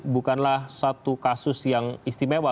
bukanlah satu kasus yang istimewa